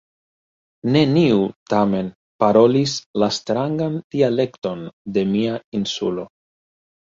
Neniu tamen parolis la strangan dialekton de mia Insulo.